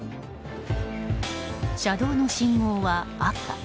車道の信号は赤。